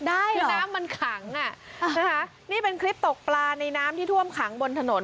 คือน้ำมันขังอ่ะนะคะนี่เป็นคลิปตกปลาในน้ำที่ท่วมขังบนถนน